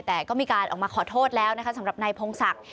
แต่ก็มีการออกมาขอโทษแล้วนะคะสำหรับนายพงศักดิ์